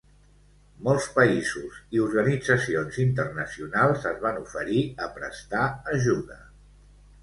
Molts països i organitzacions internacionals es van oferir a prestar ajuda.